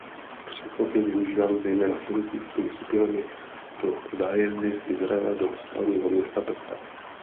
Přechod je využíván zejména turistickými skupinami pro zájezdy z Izraele do skalního města Petra.